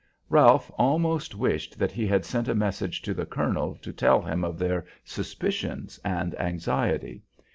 Ralph almost wished that he had sent a message to the colonel to tell him of their suspicions and anxiety.